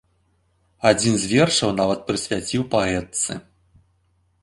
Адзін з вершаў нават прысвяціў паэтцы.